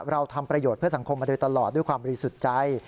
เราทำประโยชน์เพื่อสังคมมาโดยตลอดด้วยความบริสุทธิ์ใจ